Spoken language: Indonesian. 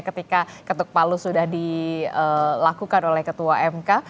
ketika ketuk palu sudah dilakukan oleh ketua mk